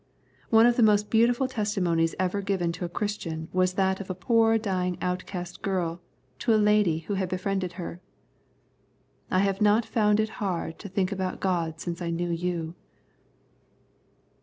One of the most beautiful testi monies ever given to a Christian was that of a poor dying outcast girl to a lady who had befriended her :" I have not found it hard to think about God since I knew you."